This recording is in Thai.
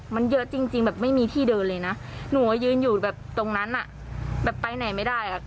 มันเยอะจริงแบบไม่มีที่เดินเลยนะหนูยืนอยู่แบบตรงนั้นอ่ะแบบไปไหนไม่ได้อ่ะ